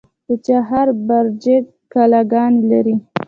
د چهار برجک کلاګانې لري